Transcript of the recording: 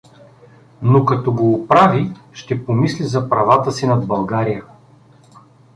— Но като го оправи, ще помисли за правата си над България.